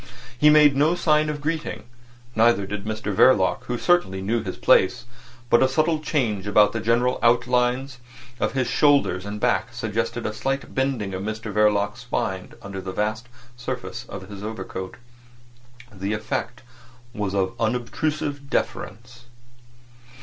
He made no sign of greeting; neither did Mr Verloc, who certainly knew his place; but a subtle change about the general outlines of his shoulders and back suggested a slight bending of Mr Verloc's spine under the vast surface of his overcoat. The effect was of unobtrusive deference.